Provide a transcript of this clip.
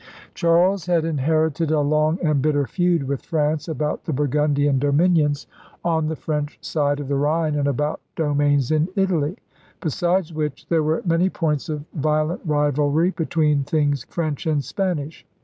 Charles had inherited a long and bitter feud with France about the Burgundian dominions on 24 ELIZABETHAN SEA DOGS the French side of the Rhine and about domains in Italy; besides which there were many points of violent rivalry between things French and Span ish.